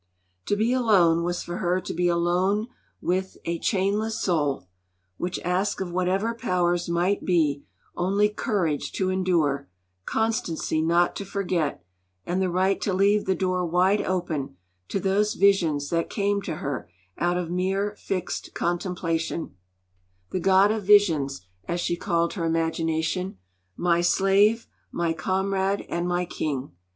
To be alone was for her to be alone with 'a chainless soul,' which asked of whatever powers might be only 'courage to endure,' constancy not to forget, and the right to leave the door wide open to those visions that came to her out of mere fixed contemplation: 'the God of Visions,' as she called her imagination, 'my slave, my comrade, and my king.'